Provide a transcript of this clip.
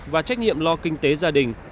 và trách nhiệm lo kinh tế gia đình